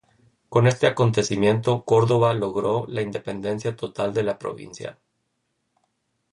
Con este acontecimiento Córdova logró la independencia total de la provincia.